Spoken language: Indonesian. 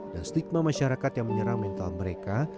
dan stigma masyarakat yang menyerang mental mereka